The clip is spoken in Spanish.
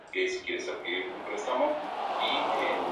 Leonor perdió algunas de sus posesiones en beneficio de este último.